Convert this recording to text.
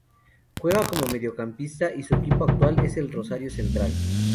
Juega como mediocampista y su equipo actual es Rosario Central.